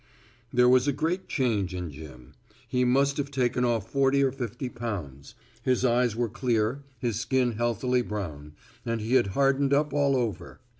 There was a great change in Jim. He must have taken off forty or fifty pounds. His eyes were clear, his skin healthily brown, and he had hardened up all over.